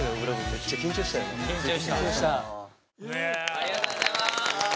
ありがとうございます。